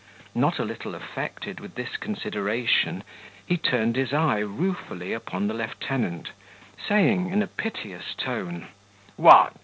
Not a little affected with this consideration, he turned his eye ruefully upon the lieutenant, saying, in a piteous tone, "What!